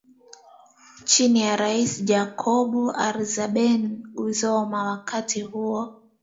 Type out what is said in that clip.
Chini ya rais Jacobo Arbenzi Guzman wa wakati huo